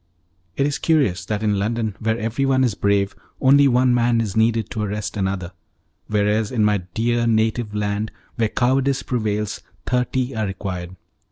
It is curious that in London, where everyone is brave, only one man is needed to arrest another, whereas in my dear native land, where cowardice prevails, thirty are required.